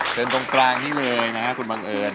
ตรงกลางนี้เลยนะครับคุณบังเอิญ